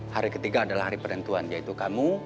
hari ketiga adalah hari penentuan yaitu kamu